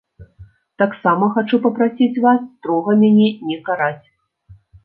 Таксама хачу папрасіць вас строга мяне не караць.